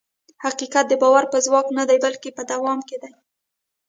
حقیقت د باور په ځواک کې نه، بلکې په دوام کې دی.